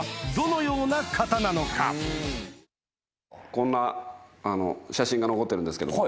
こんな写真が残ってるんですけども。